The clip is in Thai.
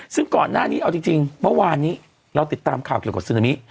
ซึ่งก่อนหน้านี้เอาจริงเมื่อวานนี้เราติดตามข่าวเกี่ยวกับซึนามิ